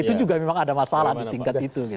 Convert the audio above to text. itu juga memang ada masalah di tingkat itu